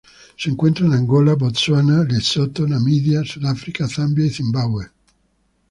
Se encuentra en Angola, Botsuana, Lesotho, Namibia, Sudáfrica, Zambia y Zimbabwe.